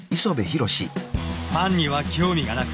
ファンには興味がなく。